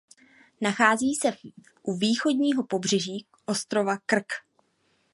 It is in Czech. Nachází se u východního pobřeží ostrova Krk.